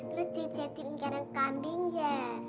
terus dijadikan kanang kambing ya